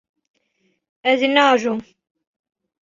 Ez ê neajom.